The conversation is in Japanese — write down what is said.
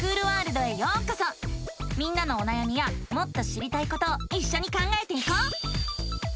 みんなのおなやみやもっと知りたいことをいっしょに考えていこう！